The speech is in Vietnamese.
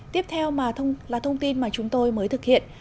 tiếp theo là thông tin mà chúng tôi mới thực hiện